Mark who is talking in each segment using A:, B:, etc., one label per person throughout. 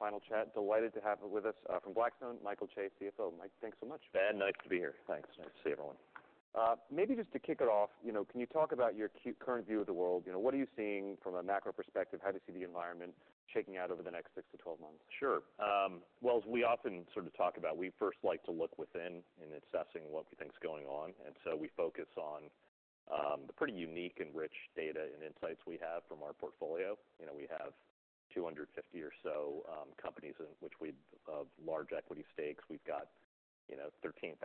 A: final chat. Delighted to have with us, from Blackstone, Michael Chae, CFO. Mike, thanks so much.
B: Ben, nice to be here. Thanks. Nice to see everyone. Maybe just to kick it off, you know, can you talk about your current view of the world? You know, what are you seeing from a macro perspective? How do you see the environment shaking out over the next 6-12 months? Sure. Well, as we often sort of talk about, we first like to look within in assessing what we think is going on, and so we focus on the pretty unique and rich data and insights we have from our portfolio. You know, we have 250 or so companies in which we've of large equity stakes. We've got, you know, 13,000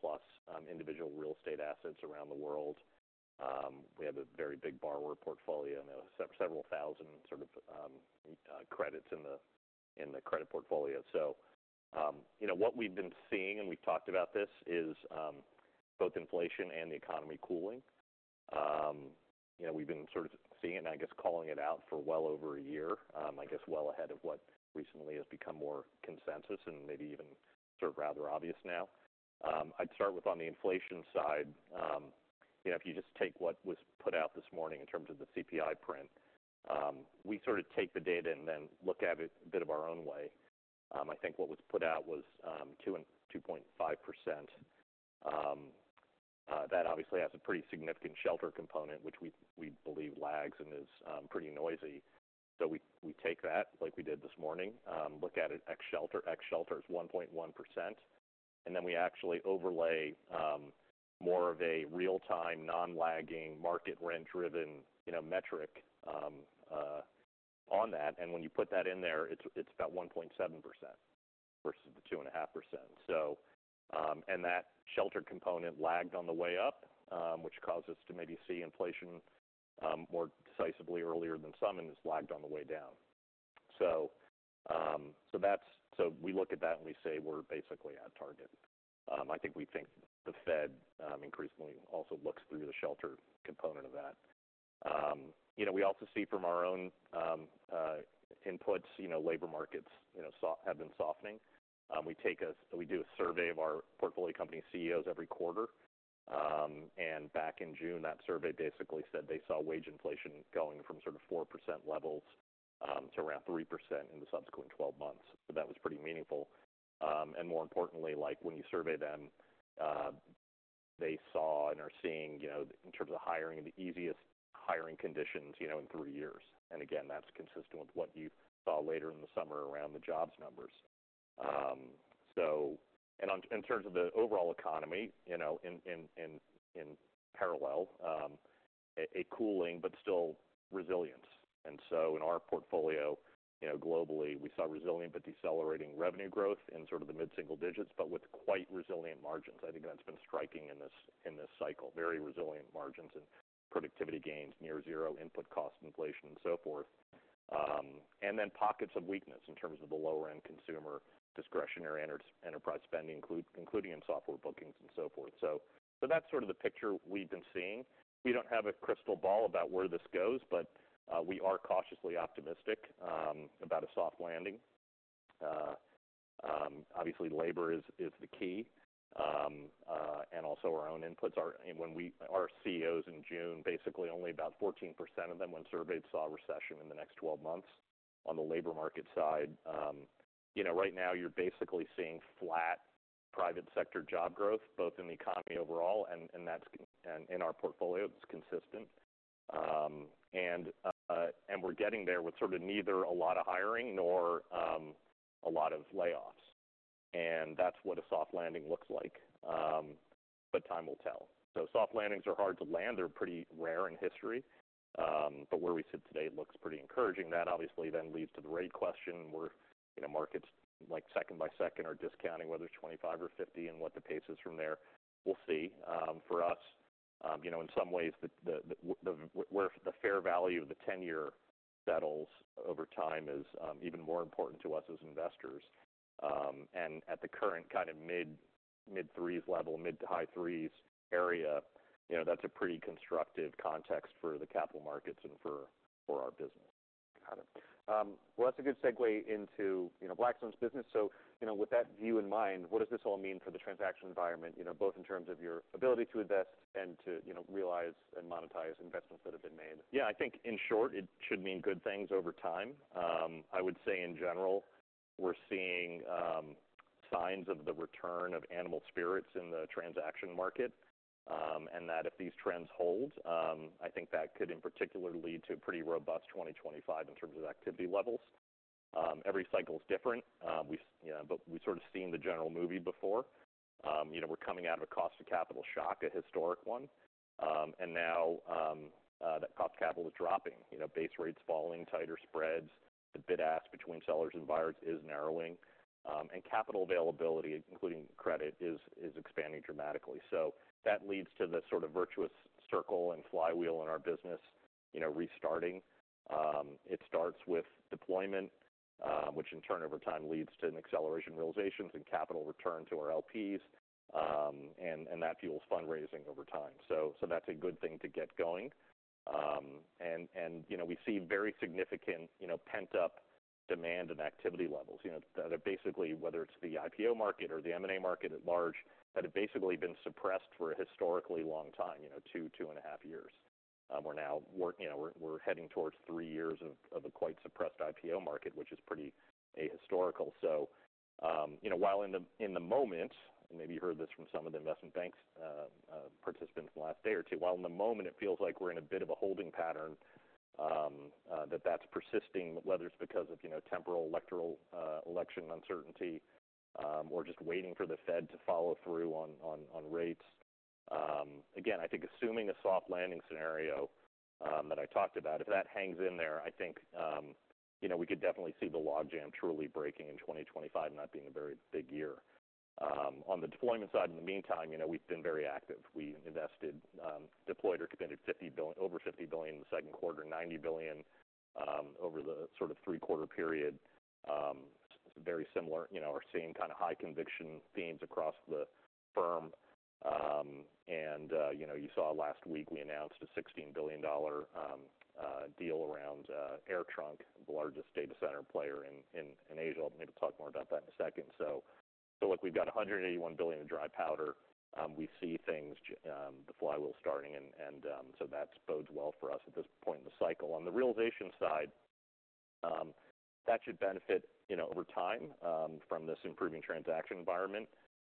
B: plus individual real estate assets around the world. We have a very big borrower portfolio, you know, several thousand sort of credits in the credit portfolio. So, you know, what we've been seeing, and we've talked about this, is both inflation and the economy cooling. You know, we've been sort of seeing it, and I guess calling it out for well over a year. I guess well ahead of what recently has become more consensus and maybe even sort of rather obvious now. I'd start with on the inflation side. You know, if you just take what was put out this morning in terms of the CPI print, we sort of take the data and then look at it a bit of our own way. I think what was put out was 2% and 2.5%. That obviously has a pretty significant shelter component, which we believe lags and is pretty noisy. So we take that, like we did this morning, look at it ex shelter. Excluding shelter is 1.1%, and then we actually overlay more of a real-time, non-lagging, market rent-driven, you know, metric on that. And when you put that in there, it's about 1.7% versus the 2.5%. So, and that shelter component lagged on the way up, which caused us to maybe see inflation more decisively earlier than some, and it's lagged on the way down. So, that's so we look at that and we say we're basically at target. I think the Fed increasingly also looks through the shelter component of that. You know, we also see from our own inputs, you know, labor markets have been softening. We do a survey of our portfolio company CEOs every quarter. And back in June, that survey basically said they saw wage inflation going from sort of 4% levels to around 3% in the subsequent twelve months. So that was pretty meaningful. And more importantly, like, when you survey them, they saw and are seeing, you know, in terms of hiring, the easiest hiring conditions, you know, in three years. And again, that's consistent with what you saw later in the summer around the jobs numbers. And, on in terms of the overall economy, you know, in parallel, a cooling, but still resilience. And so in our portfolio, you know, globally, we saw resilient but decelerating revenue growth in sort of the mid-single digits, but with quite resilient margins. I think that's been striking in this cycle. Very resilient margins and productivity gains, near zero input cost inflation and so forth, and then pockets of weakness in terms of the lower-end consumer discretionary enterprise spending, including in software bookings and so forth, so that's sort of the picture we've been seeing. We don't have a crystal ball about where this goes, but we are cautiously optimistic about a soft landing. Obviously, labor is the key, and also our own inputs are... Our CEOs in June, basically only about 14% of them, when surveyed, saw a recession in the next 12 months. On the labor market side, you know, right now you're basically seeing flat private sector job growth, both in the economy overall, and that's in our portfolio, it's consistent. And we're getting there with sort of neither a lot of hiring nor a lot of layoffs. And that's what a soft landing looks like, but time will tell. So soft landings are hard to land. They're pretty rare in history, but where we sit today looks pretty encouraging. That obviously then leads to the rate question, where, you know, markets, like, second by second, are discounting whether it's 25 or 50 and what the pace is from there. We'll see. For us, you know, in some ways, where the fair value of the 10-year settles over time is even more important to us as investors. And at the current kind of mid-threes level, mid to high threes area, you know, that's a pretty constructive context for the capital markets and for our business. Got it. Well, that's a good segue into, you know, Blackstone's business. So, you know, with that view in mind, what does this all mean for the transaction environment, you know, both in terms of your ability to invest and to, you know, realize and monetize investments that have been made? Yeah, I think in short, it should mean good things over time. I would say in general, we're seeing signs of the return of animal spirits in the transaction market, and that if these trends hold, I think that could in particular lead to a pretty robust 2025 in terms of activity levels. Every cycle is different, we, you know, but we've sort of seen the general movie before. You know, we're coming out of a cost of capital shock, a historic one, and now, that cost of capital is dropping. You know, base rates falling, tighter spreads, the bid-ask between sellers and buyers is narrowing, and capital availability, including credit, is expanding dramatically. So that leads to the sort of virtuous circle and flywheel in our business, you know, restarting. It starts with deployment, which in turn, over time, leads to an acceleration in realizations and capital return to our LPs, and that fuels fundraising over time. So that's a good thing to get going. And you know, we see very significant pent-up demand and activity levels that are basically, whether it's the IPO market or the M&A market at large, that have basically been suppressed for a historically long time, you know, two, two and a half years. We're now, you know, we're heading towards three years of a quite suppressed IPO market, which is pretty ahistorical. So, you know, while in the moment, and maybe you heard this from some of the investment banks, participants in the last day or two, while in the moment it feels like we're in a bit of a holding pattern, that's persisting, whether it's because of, you know, temporal, electoral, election uncertainty, or just waiting for the Fed to follow through on rates. Again, I think assuming a soft landing scenario, that I talked about, if that hangs in there, I think, you know, we could definitely see the logjam truly breaking in 2025, and that being a very big year. On the deployment side, in the meantime, you know, we've been very active. We invested, deployed or committed $50 billion... Over $50 billion in the second quarter, $90 billion over the sort of three-quarter period. Very similar, you know, are seeing kind of high conviction themes across the firm. And you know, you saw last week, we announced a $16 billion deal around AirTrunk, the largest data center player in Asia. I'll maybe talk more about that in a second. So look, we've got $181 billion in dry powder. We see things, the flywheel starting and so that bodes well for us at this point in the cycle. On the realization side, that should benefit, you know, over time from this improving transaction environment.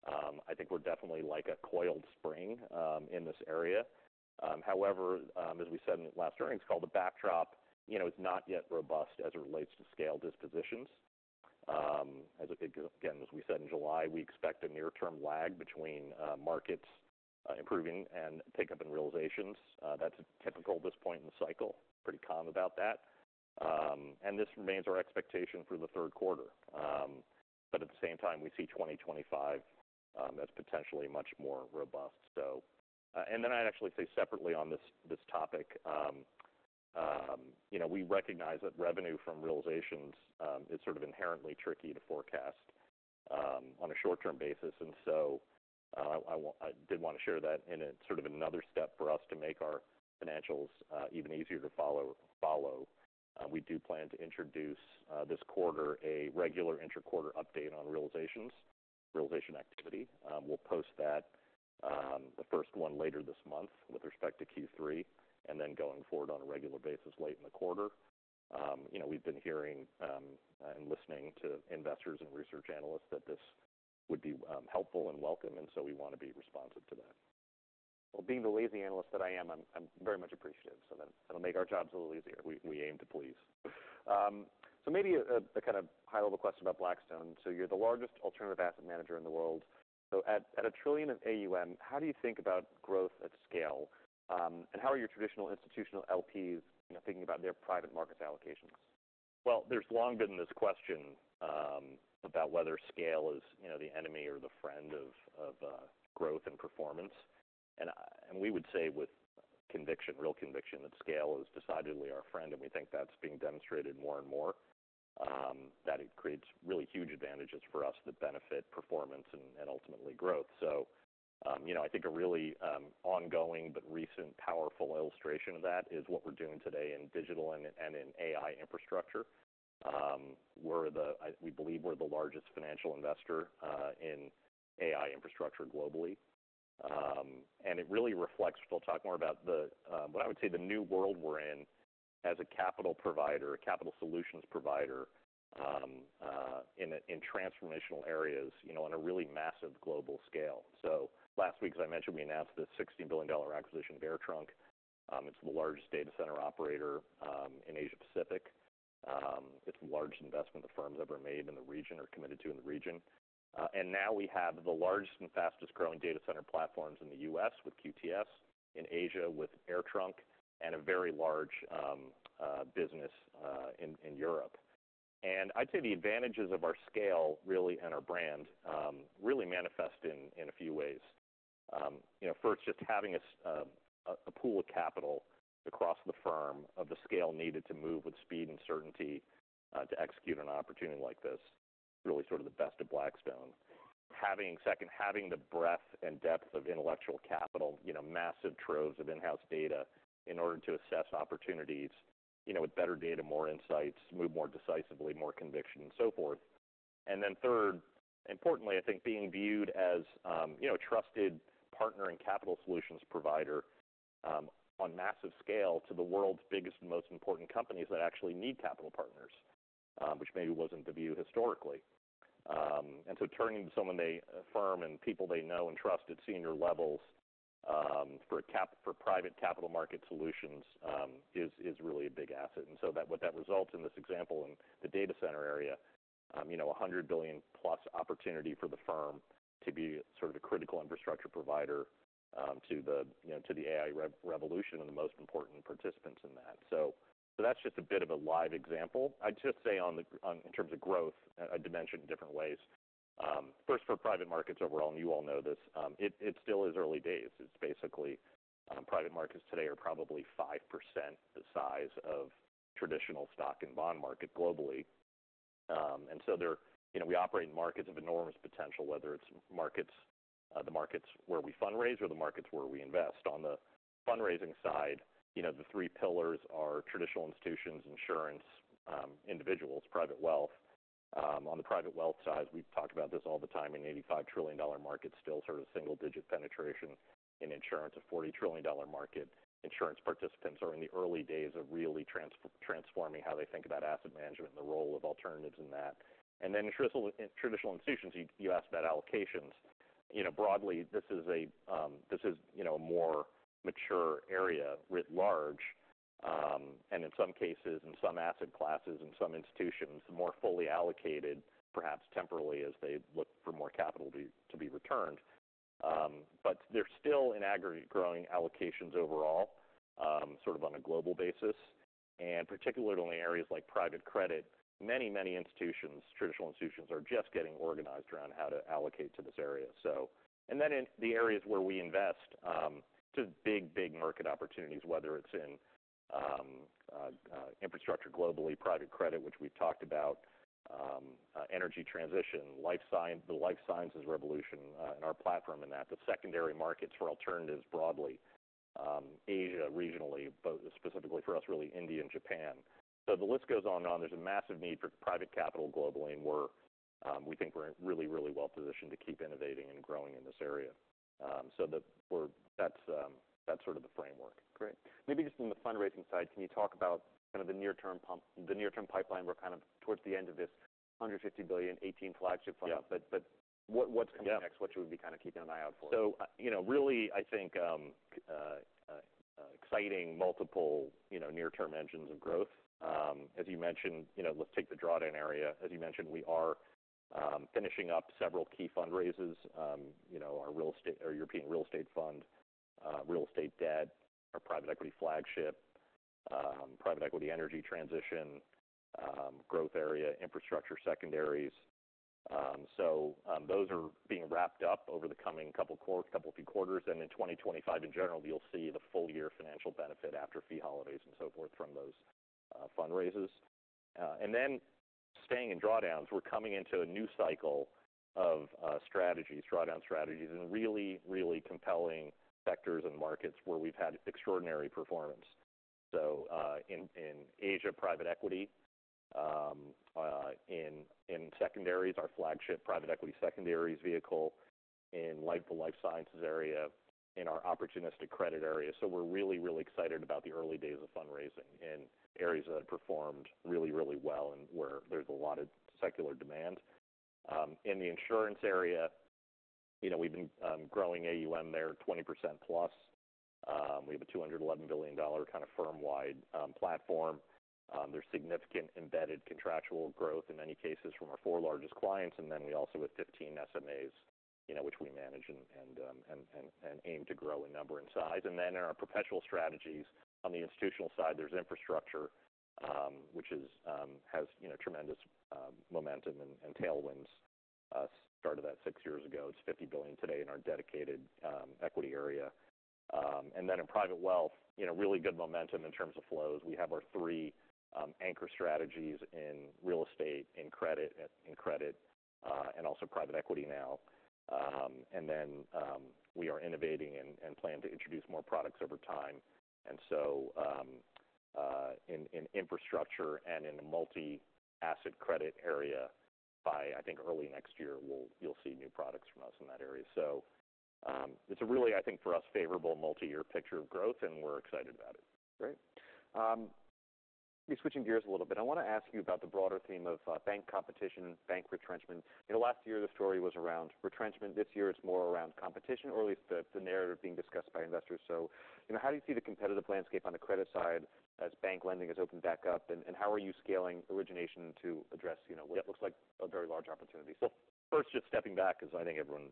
B: I think we're definitely like a coiled spring in this area. However, as we said in last earnings call, the backdrop, you know, is not yet robust as it relates to scale dispositions. As again, as we said in July, we expect a near-term lag between markets improving and pickup in realizations. That's typical at this point in the cycle. Pretty calm about that. This remains our expectation for the third quarter. At the same time, we see 2025 as potentially much more robust. Separately on this topic, you know, we recognize that revenue from realizations is sort of inherently tricky to forecast on a short-term basis. I did want to share that, and it's sort of another step for us to make our financials even easier to follow. We do plan to introduce, this quarter, a regular interquarter update on realizations, realization activity. We'll post that, the first one later this month with respect to Q3, and then going forward on a regular basis late in the quarter. You know, we've been hearing and listening to investors and research analysts that this would be helpful and welcome, and so we want to be responsive to that. Being the lazy analyst that I am, I'm very much appreciative, so that it'll make our jobs a little easier. We aim to please. So maybe a kind of high-level question about Blackstone. So you're the largest alternative asset manager in the world. So at $1 trillion of AUM, how do you think about growth at scale? And how are your traditional institutional LPs, you know, thinking about their private markets allocations? There's long been this question about whether scale is, you know, the enemy or the friend of growth and performance. We would say with conviction, real conviction, that scale is decidedly our friend, and we think that's being demonstrated more and more. That it creates really huge advantages for us that benefit performance and ultimately growth. You know, I think a really ongoing but recent powerful illustration of that is what we're doing today in digital and in AI infrastructure. We believe we're the largest financial investor in AI infrastructure globally. And it really reflects. We'll talk more about, but I would say the new world we're in as a capital provider, a capital solutions provider, in transformational areas, you know, on a really massive global scale. So last week, as I mentioned, we announced this $16 billion acquisition of AirTrunk. It's the largest data center operator in Asia Pacific. It's the largest investment the firm's ever made in the region or committed to in the region. And now we have the largest and fastest growing data center platforms in the U.S. with QTS, in Asia with AirTrunk, and a very large business in Europe. And I'd say the advantages of our scale, really, and our brand really manifest in a few ways. You know, first, just having a pool of capital across the firm of the scale needed to move with speed and certainty, to execute an opportunity like this, really sort of the best of Blackstone. Second, having the breadth and depth of intellectual capital, you know, massive troves of in-house data in order to assess opportunities, you know, with better data, more insights, move more decisively, more conviction, and so forth. And then third, importantly, I think being viewed as, you know, a trusted partner and capital solutions provider, on massive scale to the world's biggest and most important companies that actually need capital partners, which maybe wasn't the view historically. And so turning to someone they, a firm and people they know and trust at senior levels, for private capital market solutions, is really a big asset. And so that, what that results in this example, in the data center area, you know, $100 billion plus opportunity for the firm to be sort of a critical infrastructure provider, to the, you know, to the AI revolution and the most important participants in that. So that's just a bit of a live example. I'd just say in terms of growth, I'd mention different ways. First, for private markets overall, and you all know this, it still is early days. It's basically, private markets today are probably 5% the size of traditional stock and bond market globally. And so they're, you know, we operate in markets of enormous potential, whether it's markets, the markets where we fundraise or the markets where we invest. On the fundraising side, you know, the three pillars are traditional institutions, insurance, individuals, private wealth. On the private wealth side, we've talked about this all the time, an $85 trillion market, still sort of single digit penetration. In insurance, a $40 trillion market. Insurance participants are in the early days of really transforming how they think about asset management and the role of alternatives in that. And then traditional institutions, you asked about allocations. You know, broadly, this is, you know, a more mature area writ large, and in some cases, in some asset classes and some institutions, more fully allocated, perhaps temporarily, as they look for more capital to be returned. But they're still, in aggregate, growing allocations overall, sort of on a global basis, and particularly in areas like private credit. Many, many institutions, traditional institutions, are just getting organized around how to allocate to this area. So and then in the areas where we invest, just big, big market opportunities, whether it's in infrastructure, globally, private credit, which we've talked about, energy transition, life science, the life sciences revolution, and our platform in that. The secondary markets for alternatives broadly, Asia, regionally, both specifically for us, really India and Japan. So the list goes on and on. There's a massive need for private capital globally, and we're, we think we're in really, really well positioned to keep innovating and growing in this area. So that's, that's sort of the framework. Great. Maybe just from the fundraising side, can you talk about kind of the near-term hump, the near-term pipeline? We're kind of towards the end of this $150 billion 18 flagship fund. Yeah. What's coming next? Yeah. What should we be kind of keeping an eye out for? So, you know, really, I think, exciting multiple, you know, near-term engines of growth. As you mentioned, you know, let's take the drawdown area. As you mentioned, we are finishing up several key fundraisers. You know, our real estate, our European real estate fund, real estate debt, our private equity flagship, private equity energy transition, growth equity, infrastructure secondaries, so those are being wrapped up over the coming couple of few quarters, and in 2025, in general, you'll see the full year financial benefit after fee holidays and so forth from those fundraisers, and then staying in drawdowns, we're coming into a new cycle of strategies, drawdown strategies, and really, really compelling sectors and markets where we've had extraordinary performance. So, in Asia, private equity, in secondaries, our flagship private equity secondaries vehicle, in life, the life sciences area, in our opportunistic credit area. So we're really, really excited about the early days of fundraising in areas that have performed really, really well and where there's a lot of secular demand. In the insurance area, you know, we've been growing AUM there, 20%+. We have a $211 billion kind of firm-wide platform. There's significant embedded contractual growth in many cases from our four largest clients, and then we also, with 15 SMAs, you know, which we manage and aim to grow in number and size. And then in our perpetual strategies, on the institutional side, there's infrastructure, which has, you know, tremendous momentum and tailwinds. Started that six years ago. It's $50 billion today in our dedicated equity area. And then in private wealth, you know, really good momentum in terms of flows. We have our three anchor strategies in real estate, in credit, and also private equity now. And then, we are innovating and plan to introduce more products over time. And so, in infrastructure and in the multi-asset credit area, by, I think, early next year, you'll see new products from us in that area. So, it's a really, I think, for us, favorable multiyear picture of growth, and we're excited about it. Great. Me switching gears a little bit. I want to ask you about the broader theme of, bank competition, bank retrenchment. You know, last year the story was around retrenchment. This year it's more around competition, or at least the narrative being discussed by investors. So, you know, how do you see the competitive landscape on the credit side as bank lending has opened back up, and how are you scaling origination to address, you know- Yeah... what looks like a very large opportunity? Well, first, just stepping back, because I think everyone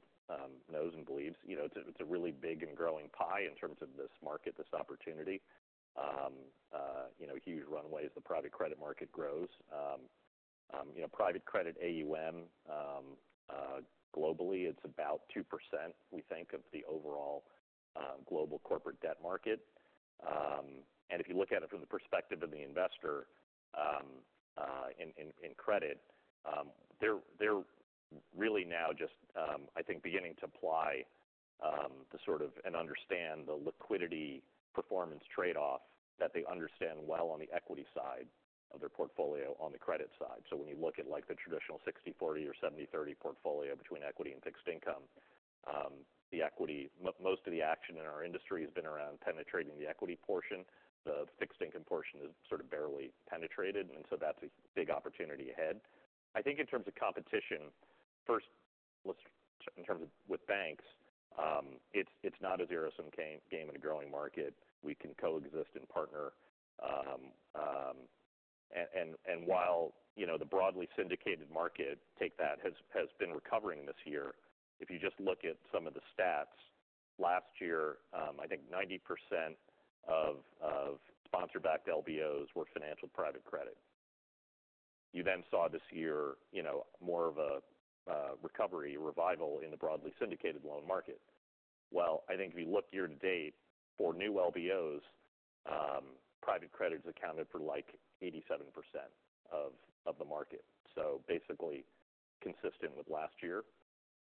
B: knows and believes, you know, it's a, it's a really big and growing pie in terms of this market, this opportunity. You know, huge runways. The private credit market grows. You know, private credit AUM, globally, it's about 2%, we think, of the overall global corporate debt market. And if you look at it from the perspective of the investor, in credit, they're really now just, I think, beginning to apply the sort of and understand the liquidity performance trade-off that they understand well on the equity side of their portfolio, on the credit side. So when you look at, like, the traditional 60/40 or 70/30 portfolio between equity and fixed income, the equity - most of the action in our industry has been around penetrating the equity portion. The fixed income portion is sort of barely penetrated, and so that's a big opportunity ahead. I think, in terms of competition, in terms of with banks, it's not a zero-sum game in a growing market. We can coexist and partner. And while, you know, the broadly syndicated market that has been recovering this year, if you just look at some of the stats, last year, I think 90% of sponsor-backed LBOs were financed by private credit. You then saw this year, you know, more of a recovery revival in the broadly syndicated loan market. I think if you look year to date for new LBOs, private credits accounted for, like, 87% of the market. So basically consistent with last year.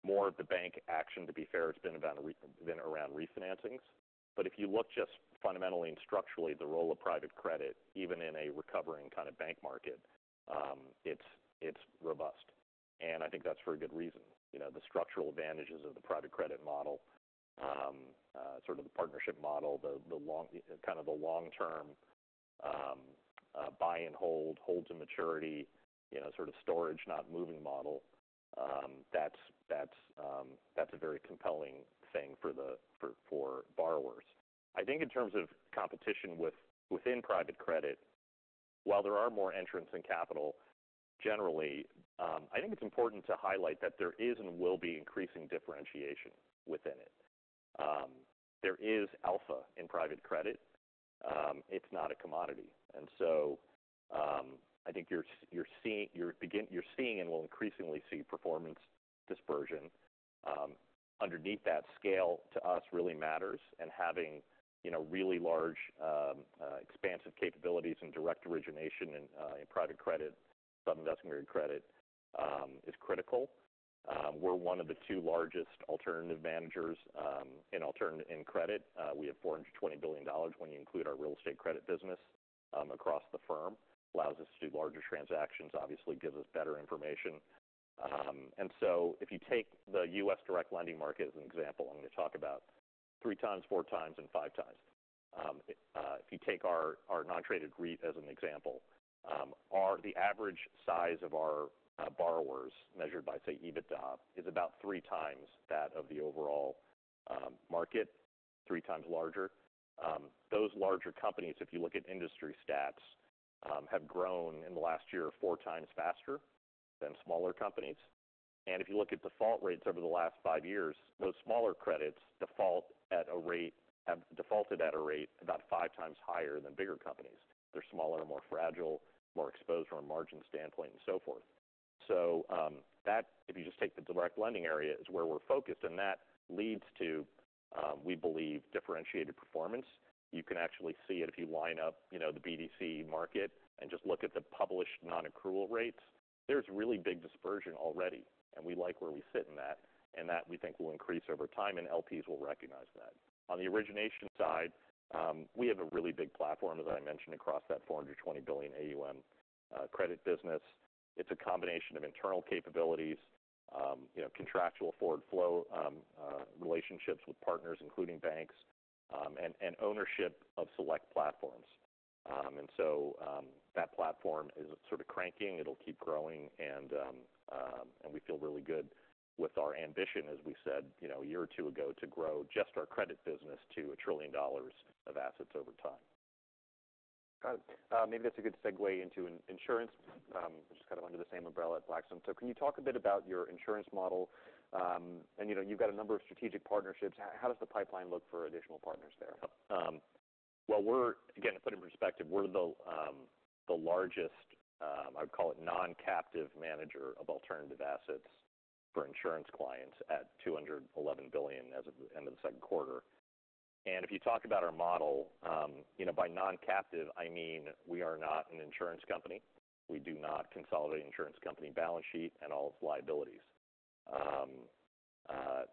B: More of the bank action, to be fair, has been around refinancings. But if you look just fundamentally and structurally, the role of private credit, even in a recovering kind of bank market, it's robust. And I think that's for a good reason. You know, the structural advantages of the private credit model, sort of the partnership model, the long kind of the long-term buy and hold, hold to maturity, you know, sort of storage, not moving model, that's a very compelling thing for borrowers. I think in terms of competition within private credit, while there are more entrants in capital, generally, I think it's important to highlight that there is and will be increasing differentiation within it. There is alpha in private credit. It's not a commodity. And so, I think you're seeing and will increasingly see performance dispersion. Underneath that scale, to us, really matters, and having, you know, really large, expansive capabilities and direct origination in private credit, sub-investment grade credit, is critical. We're one of the two largest alternative managers in credit. We have $420 billion when you include our real estate credit business across the firm. Allows us to do larger transactions, obviously gives us better information. And so if you take the U.S. direct lending market, as an example, I'm going to talk about 3x, 4x, and 5x. If you take our non-traded REIT as an example, the average size of our borrowers, measured by, say, EBITDA, is about three times that of the overall market, 3x larger. Those larger companies, if you look at industry stats, have grown in the last year 4x faster than smaller companies. And if you look at default rates over the last five years, those smaller credits have defaulted at a rate about 5x higher than bigger companies. They're smaller, more fragile, more exposed from a margin standpoint and so forth. So that if you just take the direct lending area, is where we're focused, and that leads to, we believe, differentiated performance. You can actually see it if you line up, you know, the BDC market and just look at the published non-accrual rates. There's really big dispersion already, and we like where we sit in that, and that, we think, will increase over time, and LPs will recognize that. On the origination side, we have a really big platform, as I mentioned, across that $420 billion AUM credit business. It's a combination of internal capabilities, you know, contractual forward flow, relationships with partners, including banks, and ownership of select platforms. And so, that platform is sort of cranking. It'll keep growing, and we feel really good with our ambition, as we said, you know, a year or two ago, to grow just our credit business to $1 trillion of assets over time. Got it. Maybe that's a good segue into insurance, which is kind of under the same umbrella at Blackstone. So can you talk a bit about your insurance model? And you know, you've got a number of strategic partnerships. How does the pipeline look for additional partners there? Again, to put it in perspective, we're the largest, I would call it, non-captive manager of alternative assets for insurance clients at $211 billion as of the end of the second quarter. And if you talk about our model, you know, by non-captive, I mean, we are not an insurance company. We do not consolidate insurance company balance sheet and all of its liabilities.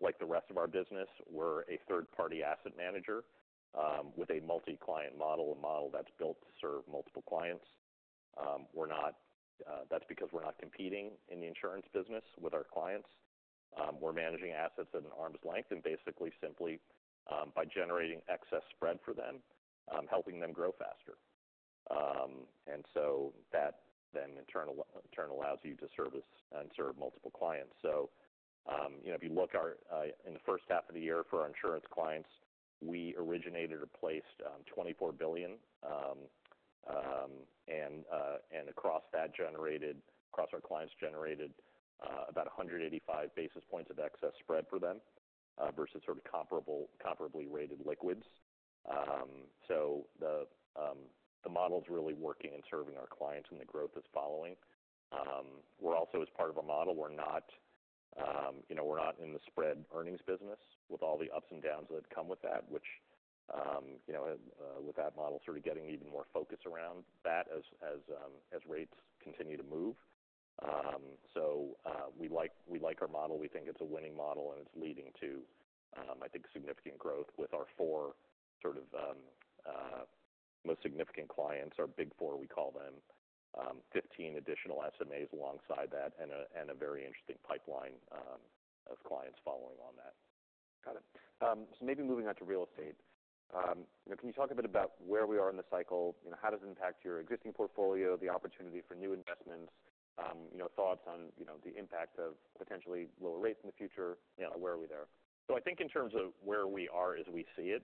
B: Like the rest of our business, we're a third-party asset manager with a multi-client model, a model that's built to serve multiple clients. We're not. That's because we're not competing in the insurance business with our clients. We're managing assets at an arm's length, and basically, simply, by generating excess spread for them, helping them grow faster. And so that then internal allows you to service and serve multiple clients. So, you know, if you look our in the first half of the year for our insurance clients, we originated or placed $24 billion. And across our clients generated about 185 basis points of excess spread for them versus sort of comparable, comparably rated liquids. So the model is really working and serving our clients, and the growth is following. We're also, as part of a model, we're not, you know, we're not in the spread earnings business with all the ups and downs that come with that, which, you know, with that model, sort of getting even more focus around that as rates continue to move. We like, we like our model. We think it's a winning model, and it's leading to, I think, significant growth with our four sort of most significant clients, our Big Four, we call them, 15 additional SMAs alongside that, and a very interesting pipeline of clients following on that. Got it. So maybe moving on to real estate, you know, can you talk a bit about where we are in the cycle? You know, how does it impact your existing portfolio, the opportunity for new investments? You know, thoughts on, you know, the impact of potentially lower rates in the future. You know, where are we there? So I think in terms of where we are, as we see it,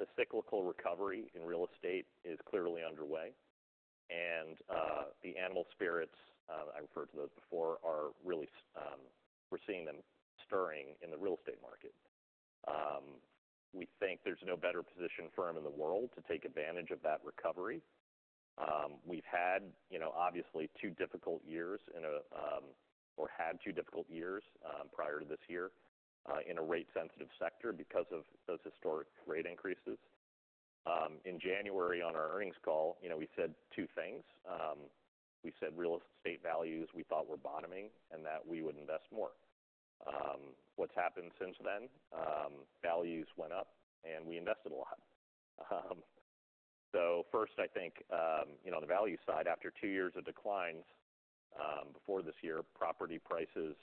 B: the cyclical recovery in real estate is clearly underway, and the animal spirits I referred to those before are really. We're seeing them stirring in the real estate market. We think there's no better positioned firm in the world to take advantage of that recovery. We've had, you know, obviously, two difficult years prior to this year in a rate sensitive sector because of those historic rate increases. In January, on our earnings call, you know, we said two things. We said real estate values we thought were bottoming and that we would invest more. What's happened since then? Values went up, and we invested a lot. So first, I think, you know, on the value side, after two years of declines, before this year, property prices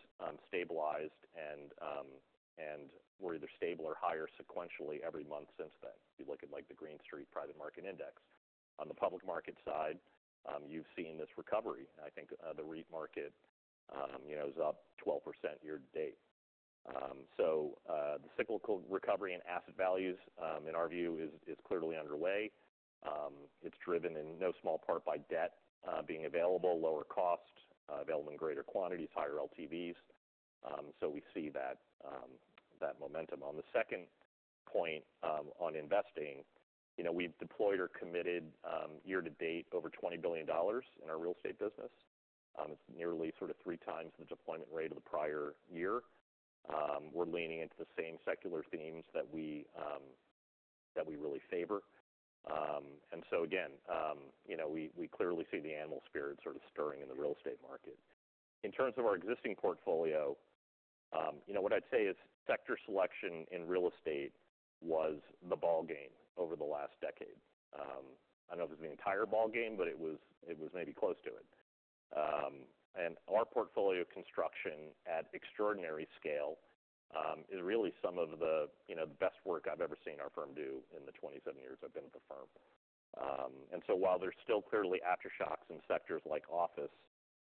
B: stabilized and were either stable or higher sequentially every month since then. If you look at, like, the Green Street Private Market Index. On the public market side, you've seen this recovery. I think, the REIT market, you know, is up 12% year to date. So, the cyclical recovery in asset values, in our view is clearly underway. It's driven in no small part by debt being available, lower cost, available in greater quantities, higher LTVs. So we see that momentum. On the second point, on investing, you know, we've deployed or committed year to date over $20 billion in our real estate business. It's nearly sort of three times the deployment rate of the prior year. We're leaning into the same secular themes that we really favor. And so again, you know, we clearly see the animal spirit sort of stirring in the real estate market. In terms of our existing portfolio, you know, what I'd say is sector selection in real estate was the ballgame over the last decade. I don't know if it was the entire ballgame, but it was maybe close to it. And our portfolio construction at extraordinary scale is really some of the, you know, best work I've ever seen our firm do in the 27 years I've been at the firm. While there's still clearly aftershocks in sectors like office,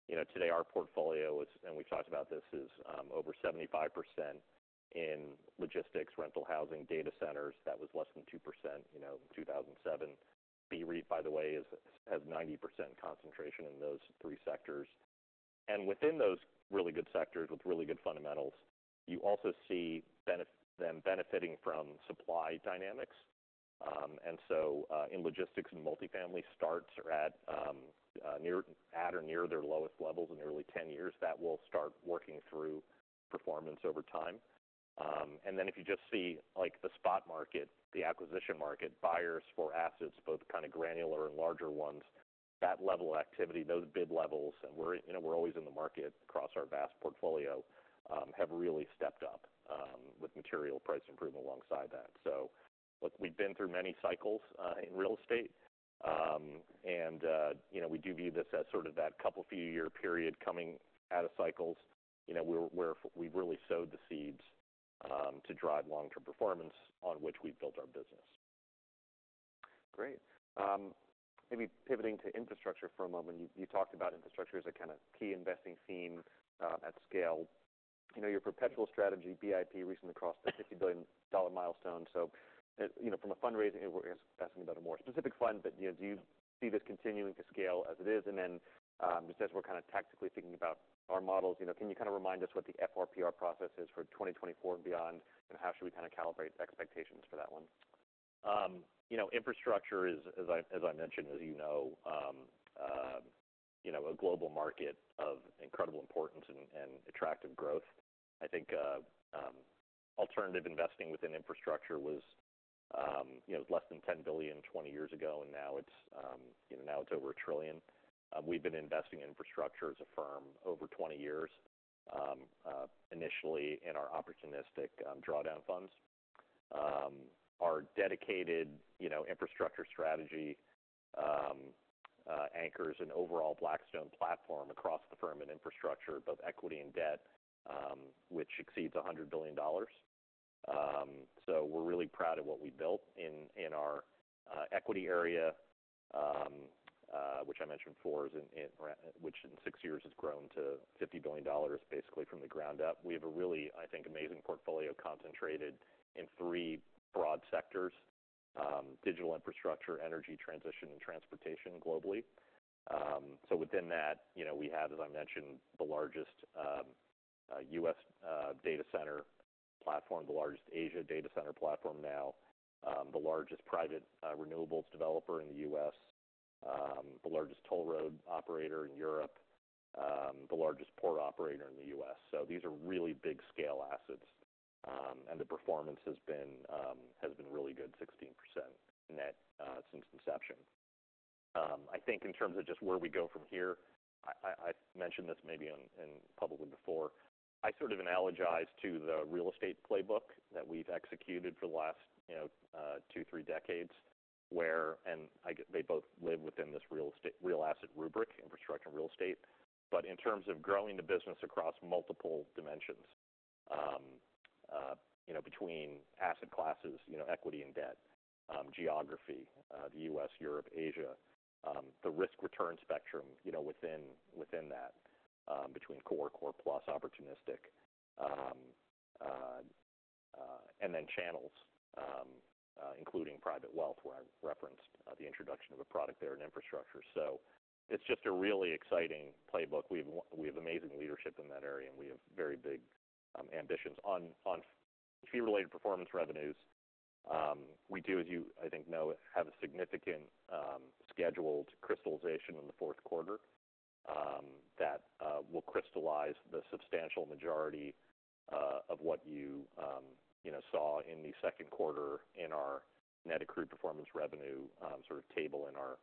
B: you know, today our portfolio is, and we've talked about this, over 75% in logistics, rental housing, data centers. That was less than 2%, you know, in 2007. BREIT, by the way, has 90% concentration in those three sectors. And within those really good sectors with really good fundamentals, you also see them benefiting from supply dynamics. In logistics and multifamily starts are at or near their lowest levels in nearly 10 years. That will start working through performance over time. And then if you just see, like, the spot market, the acquisition market, buyers for assets, both kind of granular and larger ones, that level of activity, those bid levels, and we're, you know, we're always in the market across our vast portfolio, have really stepped up, with material price improvement alongside that. So look, we've been through many cycles in real estate, and, you know, we do view this as sort of that couple of few year period coming out of cycles. You know, where we've really sowed the seeds to drive long-term performance on which we've built our business. Great. Maybe pivoting to infrastructure for a moment. You talked about infrastructure as a kind of key investing theme at scale. You know, your perpetual strategy, BIP, recently crossed the $50 billion milestone, so you know, from a fundraising, we're asking about a more specific fund, but, you know, do you see this continuing to scale as it is, and then, just as we're kind of tactically thinking about our models, you know, can you kind of remind us what the FRPR process is for 2024 and beyond, and how should we kind of calibrate expectations for that one? You know, infrastructure is, as I mentioned, as you know, you know, a global market of incredible importance and attractive growth. I think, alternative investing within infrastructure was, you know, less than $10 billion 20 years ago, and now it's, you know, now it's over $1 trillion. We've been investing in infrastructure as a firm over 20 years, initially in our opportunistic drawdown funds. Our dedicated, you know, infrastructure strategy anchors an overall Blackstone platform across the firm in infrastructure, both equity and debt, which exceeds $100 billion. So we're really proud of what we built in our equity area, which I mentioned before, which in 6 years has grown to $50 billion, basically from the ground up. We have a really, I think, amazing portfolio concentrated in three broad sectors: digital infrastructure, energy transition, and transportation globally. So within that, you know, we have, as I mentioned, the largest U.S. data center platform, the largest Asia data center platform now, the largest private renewables developer in the U.S., the largest toll road operator in Europe, the largest port operator in the U.S. So these are really big scale assets, and the performance has been really good, 16% net since inception. I think in terms of just where we go from here, I mentioned this maybe in public before. I sort of analogize to the real estate playbook that we've executed for the last, you know, two, three decades, where... And I get they both live within this real estate-real asset rubric, infrastructure and real estate. But in terms of growing the business across multiple dimensions, you know, between asset classes, you know, equity and debt, geography, the U.S., Europe, Asia, the risk-return spectrum, you know, within that, between core, core plus opportunistic, and then channels, including private wealth, where I referenced, the introduction of a product there in infrastructure. So it's just a really exciting playbook. We have amazing leadership in that area, and we have very big ambitions. On fee-related performance revenues, we do, as you, I think, know, have a significant, scheduled crystallization in the fourth quarter. That will crystallize the substantial majority of what you, you know, saw in the second quarter in our net accrued performance revenue sort of table in our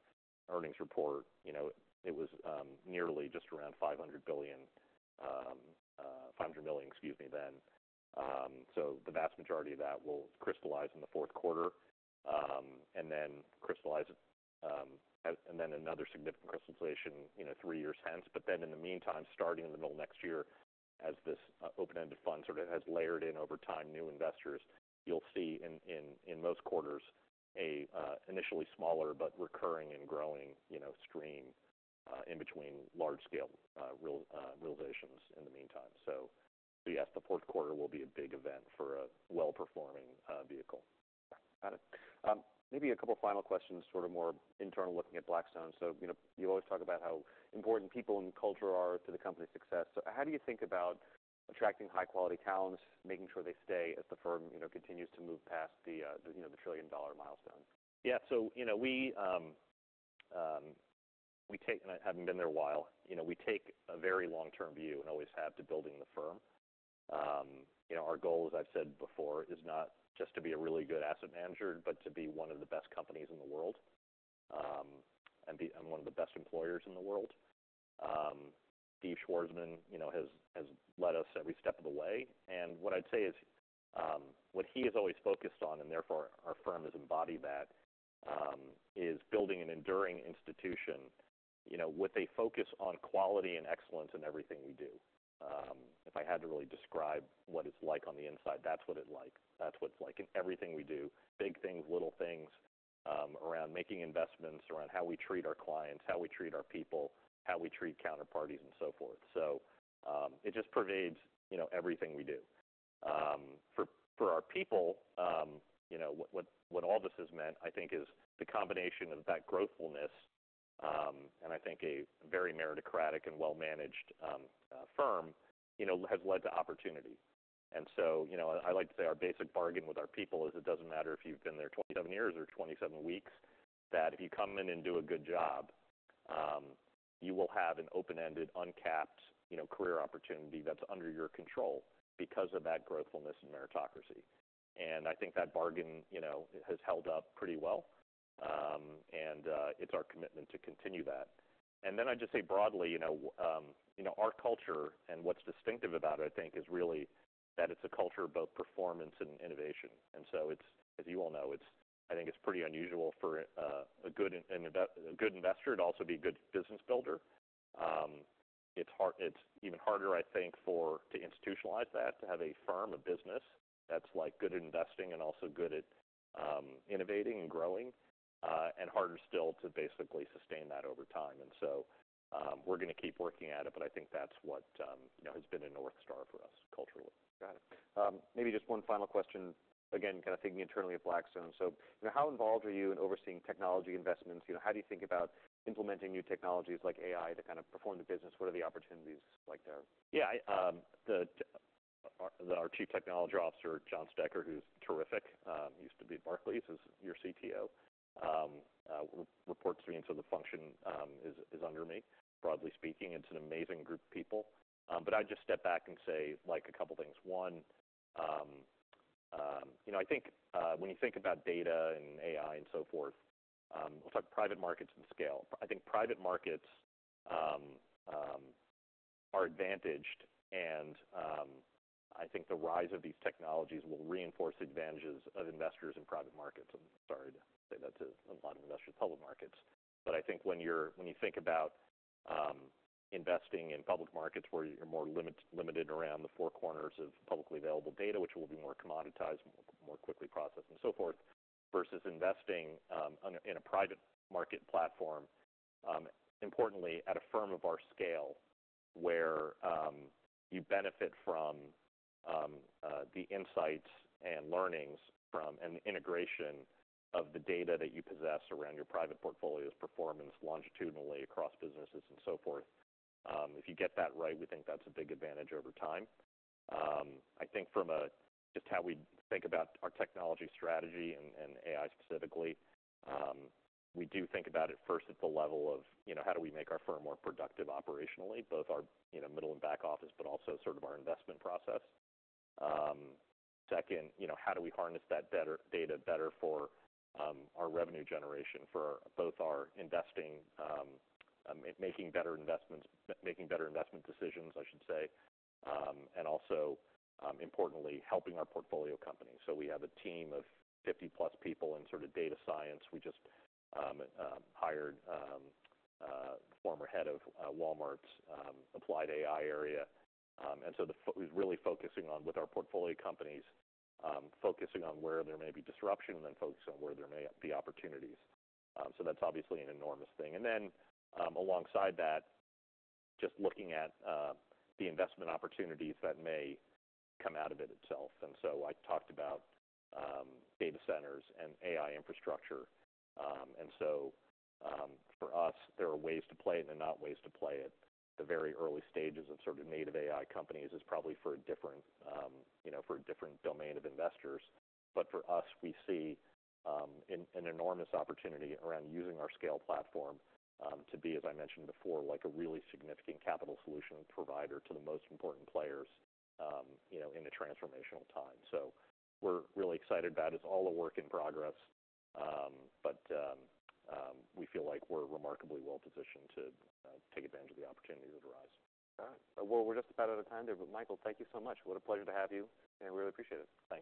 B: earnings report. You know, it was nearly just around $500 billion, $500 million, excuse me, then. So the vast majority of that will crystallize in the fourth quarter and then crystallize and then another significant crystallization, you know, three years hence. But then in the meantime, starting in the middle of next year, as this open-ended fund sort of has layered in over time, new investors, you'll see in most quarters, a initially smaller but recurring and growing, you know, stream in between large scale real realizations in the meantime. So yes, the fourth quarter will be a big event for a well-performing vehicle. Got it. Maybe a couple of final questions, sort of more internal looking at Blackstone. So, you know, you always talk about how important people and culture are to the company's success. So how do you think about attracting high-quality talents, making sure they stay as the firm, you know, continues to move past the, you know, the $1 trillion milestone? Yeah, so, you know, we take a very long-term view and always have to building the firm. You know, our goal, as I've said before, is not just to be a really good asset manager, but to be one of the best companies in the world, and one of the best employers in the world. Steve Schwarzman, you know, has led us every step of the way. And what I'd say is, what he has always focused on, and therefore our firm has embodied that, is building an enduring institution, you know, with a focus on quality and excellence in everything we do. If I had to really describe what it's like on the inside, that's what it's like. That's what it's like in everything we do, big things, little things, around making investments, around how we treat our clients, how we treat our people, how we treat counterparties, and so forth. So, it just pervades, you know, everything we do. For our people, you know, what all this has meant, I think, is the combination of that growthfulness, and I think a very meritocratic and well-managed firm, you know, has led to opportunity. And so, you know, I like to say our basic bargain with our people is it doesn't matter if you've been there 27 years or 27 weeks, that if you come in and do a good job, you will have an open-ended, uncapped, you know, career opportunity that's under your control because of that growthfulness and meritocracy. And I think that bargain, you know, has held up pretty well. And it's our commitment to continue that. And then I'd just say broadly, you know, our culture and what's distinctive about it, I think, is really that it's a culture of both performance and innovation. And so it's, as you all know, I think it's pretty unusual for a good investor to also be a good business builder. It's hard. It's even harder, I think, for to institutionalize that, to have a firm, a business, that's, like, good at investing and also good at innovating and growing, and harder still to basically sustain that over time. And so, we're going to keep working at it, but I think that's what, you know, has been a North Star for us culturally. Got it. Maybe just one final question, again, kind of thinking internally at Blackstone. So how involved are you in overseeing technology investments? You know, how do you think about implementing new technologies like AI to kind of perform the business? What are the opportunities like there? Yeah, our Chief Technology Officer, John Stecher, who's terrific, used to be at Barclays, is your CTO, reports to me, so the function is under me. Broadly speaking, it's an amazing group of people. But I'd just step back and say, like, a couple of things. One, you know, I think, when you think about data and AI and so forth, we'll talk private markets and scale. I think private markets are advantaged, and I think the rise of these technologies will reinforce the advantages of investors in private markets. I'm sorry to say that to a lot of investors in public markets, but I think when you think about investing in public markets where you're more limited around the four corners of publicly available data, which will be more commoditized, more quickly processed, and so forth, versus investing in a private market platform, importantly, at a firm of our scale, where you benefit from the insights and learnings from an integration of the data that you possess around your private portfolio's performance longitudinally across businesses and so forth. If you get that right, we think that's a big advantage over time. I think from a just how we think about our technology strategy and AI specifically, we do think about it first at the level of, you know, how do we make our firm more productive operationally, both our, you know, middle and back office, but also sort of our investment process. Second, you know, how do we harness that better data better for our revenue generation, for both our investing, making better investment decisions, I should say, and also, importantly, helping our portfolio company. So we have a team of 50+ people in sort of data science. We just hired former head of Walmart's applied AI area. And so we're really focusing on with our portfolio companies, focusing on where there may be disruption and then focusing on where there may be opportunities. So that's obviously an enormous thing. And then, alongside that, just looking at the investment opportunities that may come out of it itself. And so I talked about data centers and AI infrastructure. And so, for us, there are ways to play it and not ways to play it. The very early stages of sort of native AI companies is probably for a different, you know, for a different domain of investors. But for us, we see an enormous opportunity around using our scale platform to be, as I mentioned before, like a really significant capital solution provider to the most important players, you know, in a transformational time. So we're really excited about it. It's all a work in progress, but we feel like we're remarkably well positioned to take advantage of the opportunities that arise. All right. Well, we're just about out of time here, but Michael, thank you so much. What a pleasure to have you, and we really appreciate it.